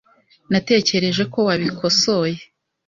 Natekereje ko wabikosoye .